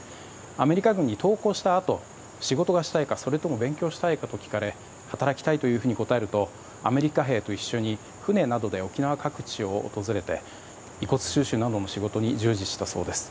アメリカ軍に投降したあと仕事がしたいかそれとも勉強したいかと聞かれ働きたいというふうに答えるとアメリカ兵と一緒に船などで沖縄各地を訪れて遺骨収集などの仕事に従事したそうです。